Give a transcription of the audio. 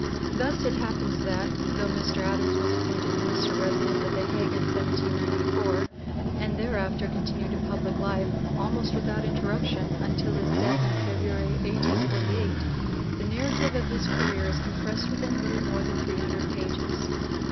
Thus it happens that, though Mr. Adams was appointed minister resident at the Hague in 1794, and thereafter continued in public life, almost without interruption, until his death in (p. vi) February, 1848, the narrative of his career is compressed within little more than three hundred pages.